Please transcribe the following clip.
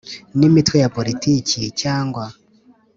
n imitwe ya politiki cyangwa